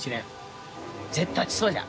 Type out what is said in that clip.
絶対にそうじゃ。